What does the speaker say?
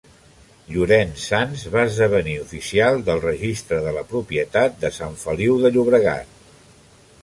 Llorenç Sans va esdevenir oficial del Registre de la Propietat de Sant Feliu de Llobregat.